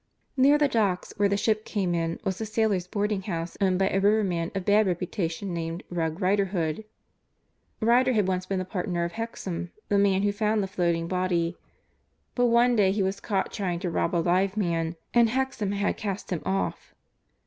Near the docks where the ship came in was a sailors' boarding house owned by a riverman of bad reputation named "Rogue" Riderhood. Riderhood had once been the partner of Hexam, the man who found the floating body, but one day he was caught trying to rob a live man and Hexam had cast him off.